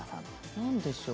何でしょう？